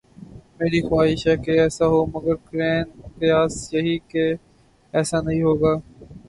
میری خواہش ہے کہ ایسا ہو مگر قرین قیاس یہی کہ ایسا نہیں ہو گا۔